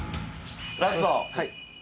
ラスト！